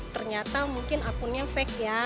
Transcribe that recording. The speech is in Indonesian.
ternyata mungkin akunnya fake ya